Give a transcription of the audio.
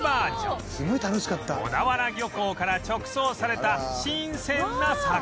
小田原漁港から直送された新鮮な魚